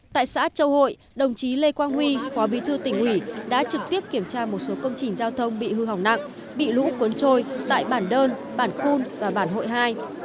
tại xã châu hội đồng chí lê quang huy phó bí thư tỉnh ủy đã trực tiếp kiểm tra một số công trình giao thông bị hư hỏng nặng bị lũ cuốn trôi tại bản đơn bản phun và bản hội hai